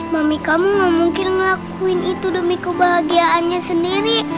mami kamu gak mungkin ngakuin itu demi kebahagiaannya sendiri